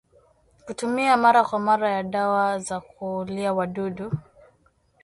Kutumia mara kwa mara ya dawa za kuulia wadudu